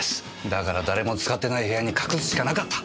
だから誰も使ってない部屋に隠すしかなかった！